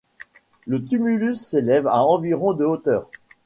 Le tumulus s'élève à environ de hauteur.